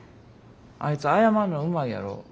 あいつ謝んのうまいやろ。